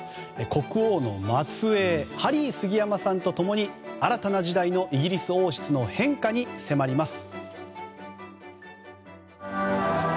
国王の末裔ハリー杉山さんと共に新たな時代のイギリス王室の変化に迫ります。